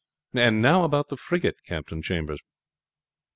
"And now about the frigate, Captain Chambers."